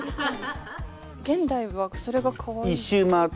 現代はそれがかわいいのかな？